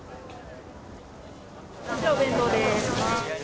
お弁当です。